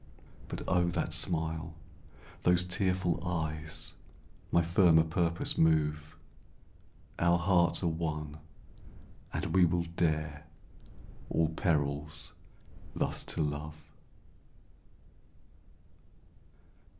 But oh, that smile those tearful eyes, My firmer purpose move Our hearts are one, and we will dare All perils thus to love!